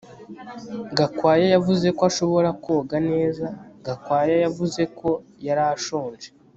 Gakwaya yavuze ko ashobora koga neza Gakwaya yavuze ko yari ashonje